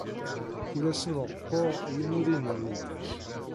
Ur asen-reqquɣ i yimuḍinen-nwent.